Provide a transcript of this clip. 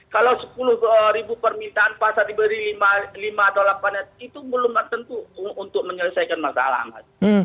kalau sepuluh ribu permintaan pasar diberi lima atau delapan itu belum tentu untuk menyelesaikan masalah mas